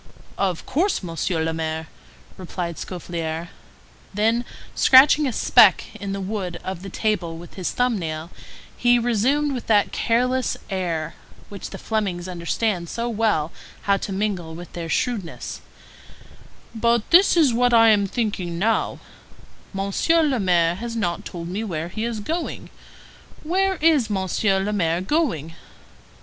"Of course, Monsieur le Maire," replied Scaufflaire; then, scratching a speck in the wood of the table with his thumb nail, he resumed with that careless air which the Flemings understand so well how to mingle with their shrewdness:— "But this is what I am thinking of now: Monsieur le Maire has not told me where he is going. Where is Monsieur le Maire going?"